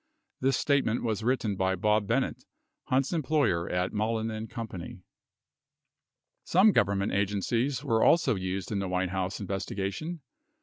This statement was written by Bob Bennett, Hunt's employer at Mullen & Co. 65 Some Government agencies were also used in the White House investigation.